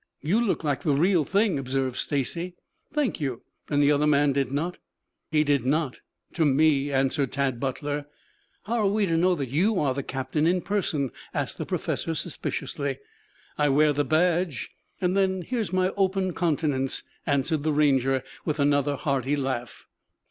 "You look like the real thing," observed Stacy. "Thank you. Then the other man did not?" "He did not to me," answered Tad Butler. "How are we to know that you are the captain in person?" asked the professor suspiciously. "I wear the badge and then here's my open countenance," answered the Ranger with another hearty laugh.